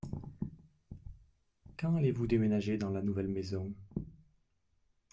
Quand allez-vous déménager dans la nouvelle maison ?